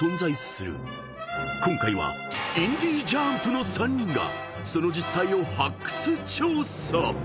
［今回はインディ・ジャーンプの３人がその実態を発掘調査］